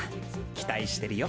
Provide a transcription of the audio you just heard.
期待してるよ。